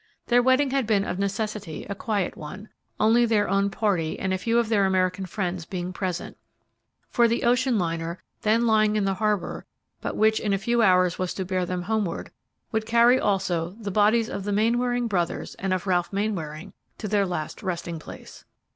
Their wedding had been, of necessity, a quiet one, only their own party and a few of their American friends being present, for the ocean liner, then lying in the harbor, but which in a few hours was to bear them homeward, would carry also the bodies of the Mainwaring brothers and of Ralph Mainwaring to their last resting place.